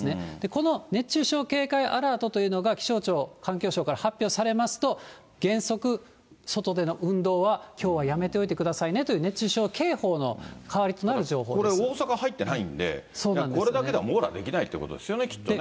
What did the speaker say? この熱中症警戒アラートというのが気象庁、環境省から発表されますと、原則、外での運動はきょうはやめておいてくださいねという、熱中症警報これ、大阪入ってないんで、これだけでは網羅できないということですよね、きっとね。